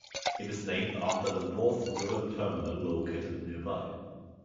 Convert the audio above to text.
It is named after the North River Terminal located nearby.